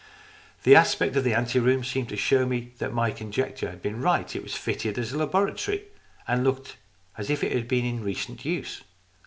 The aspect of the anteroom seemed to show me that my conjecture had been right. It was fitted as a laboratory and looked as if it had been in recent use.